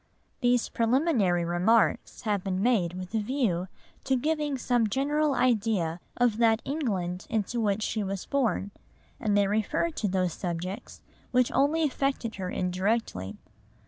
These preliminary remarks have been made with a view to giving some general idea of that England into which she was born, and they refer to those subjects which only affected her indirectly.